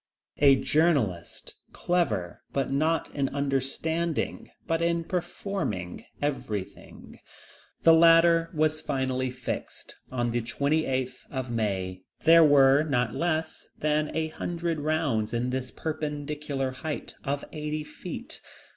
A "journalist," clever, not only in understanding, but in performing everything. The ladder was finally fixed on the 28th of May. There were not less than a hundred rounds in this perpendicular height of eighty feet.